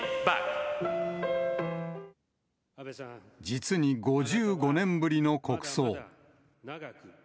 実に５５年ぶりの国葬。